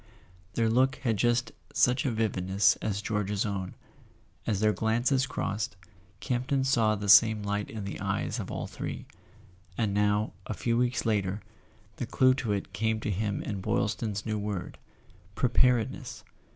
Their look had just such a vividness as George's own; as their glances crossed, Campton saw the same light in the eyes of all three. And now, a few weeks later, the clue to it came to him in Boylston's new word. Preparedness!